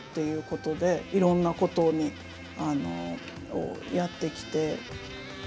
いうことでいろんなことをやってきて。